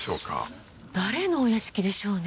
誰のお屋敷でしょうね？